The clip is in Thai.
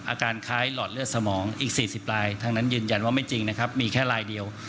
อาการคล้ายหลอดเลือดสมองอีก๔๐ลายทั้งนั้นยืนยันว่าไม่จริงนะครับมีแค่ลายเดียว